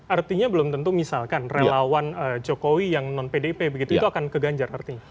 artinya belum tentu misalkan relawan jokowi yang non pdip begitu itu akan ke ganjar artinya